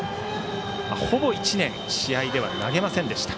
ほぼ１年試合では投げませんでした。